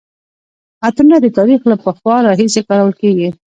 عطرونه د تاریخ له پخوا راهیسې کارول کیږي.